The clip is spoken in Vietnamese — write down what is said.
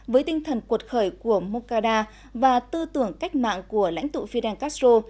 với tinh thần cuộc khởi của mocada và tư tưởng cách mạng của lãnh tụ fidel castro